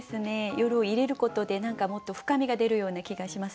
「夜」を入れることで何かもっと深みが出るような気がします。